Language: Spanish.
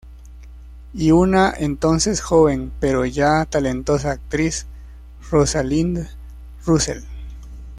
Y una entonces joven pero ya talentosa actriz: Rosalind Russell.